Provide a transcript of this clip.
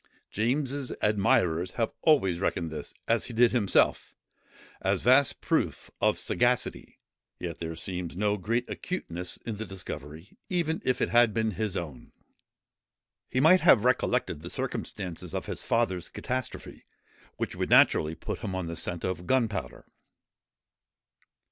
James's admirers have always reckoned this, as he did himself, a vast proof of sagacity: yet there seems no great acuteness in the discovery, even if it had been his own. He might have recollected the circumstances of his father's catastrophe, which would naturally put him on the scent of gunpowder." [Footnote 13: HALLAM'S _Const. Hist.